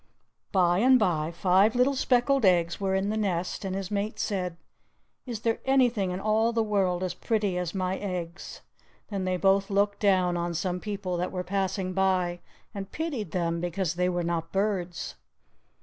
By and by five little speckled eggs were in the nest, and his mate said, "Is there anything in all the world as pretty as my eggs?" Then they both looked down on some people that were passing by and pitied them because they were not birds.